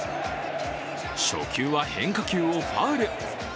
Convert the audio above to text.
初球は変化球をファウル。